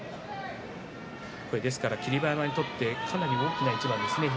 霧馬山にとってかなり大きな一番ですね。